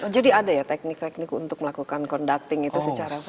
jadi ada ya teknik teknik untuk melakukan kondukting itu secara formal